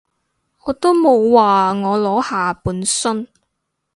我都冇話我裸下半身